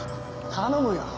頼むよ。